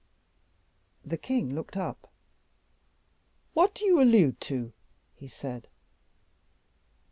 The king looked up. "What do you allude to?" he said.